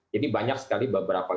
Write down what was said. jadi banyak sekali beberapa